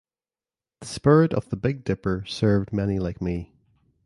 The spirit of the Big Dipper served many like me.